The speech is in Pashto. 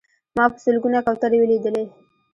ما په سلګونه کوترې ولیدلې.